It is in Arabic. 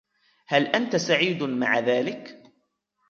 هل أنتَ سعيد مع ذلك؟